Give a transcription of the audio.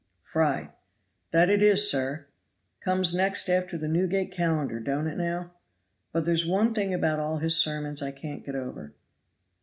Fry. That it is, sir. Comes next after the Newgate Calendar, don't it now? But there's one thing about all his sermons I can't get over.